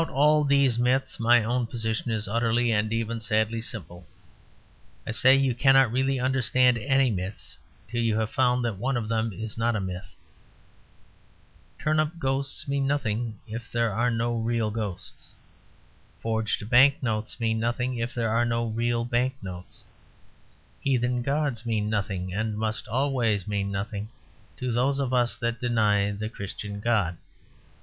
About all these myths my own position is utterly and even sadly simple. I say you cannot really understand any myths till you have found that one of them is not a myth. Turnip ghosts mean nothing if there are no real ghosts. Forged bank notes mean nothing if there are no real bank notes. Heathen gods mean nothing, and must always mean nothing, to those of us that deny the Christian God.